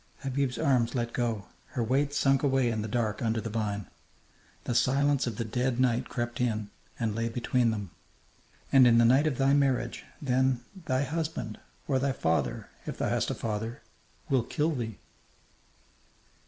Habib's arms let go; her weight sank away in the dark under the vine. The silence of the dead night crept in and lay between them. "And in the night of thy marriage, then, thy husband or thy father, if thou hast a father will kill thee."